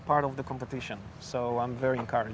kami ingin menjadi bagian dari perbincangan